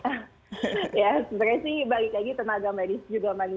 ya seperti ini balik lagi tenaga medis juga manusia ya